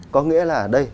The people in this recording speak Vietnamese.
có nghĩa là đây